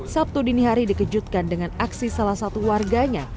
sabtu dini hari dikejutkan dengan aksi salah satu warganya